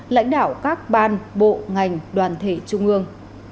lãnh đạo các ban bộ ngành đoàn thể trung ương